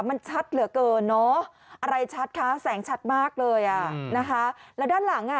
มันชัดเหลือเกินเนอะอะไรชัดคะแสงชัดมากเลยอ่ะนะคะแล้วด้านหลังอ่ะ